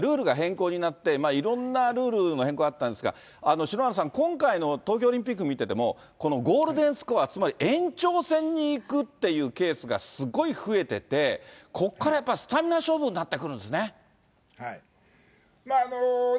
リオオリンピックからルールが変更になって、いろんなルールの変更があったんですが、篠原さん、今回の東京オリンピック見てても、このゴールデンスコア、つまり延長戦にいくっていうケースがすごい増えてて、ここからやっぱスタミナ勝負になってくるんですね。